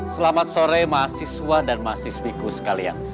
selamat sore mahasiswa dan mahasiswiku sekalian